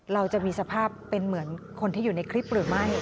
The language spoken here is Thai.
เราจะมีสภาพเป็นเหมือนคนที่อยู่ในคลิปหรือไม่